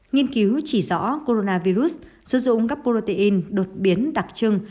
nghiên cứu chỉ rõ coronavirus sử dụng gap protein đột biến đặc trưng